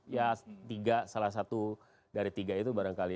ya tiga salah satu dari tiga itu barangkali